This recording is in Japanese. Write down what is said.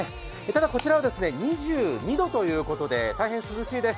こちらは２２度ということで大変涼しいです！